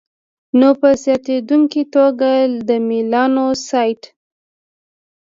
نو په زیاتېدونکي توګه د میلانوسایټ